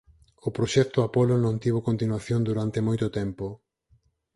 O proxecto Apollo non tivo continuación durante moito tempo.